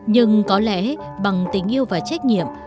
nhưng có lẽ bằng tình yêu và trách nhiệm